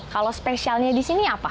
kalau spesialnya di sini apa